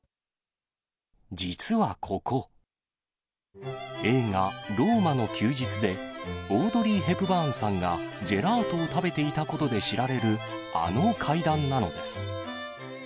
実はここ、映画、ローマの休日でオードリー・ヘプバーンさんがジェラートを食べていたことで知られるあの階段なのです。